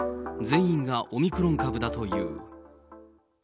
全員がオミクロン株だという。